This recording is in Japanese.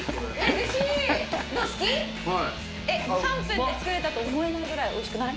３分で作れたと思えないぐらいおいしくない？